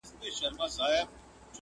هر اندام يې دوو ټگانو وو ليدلى!!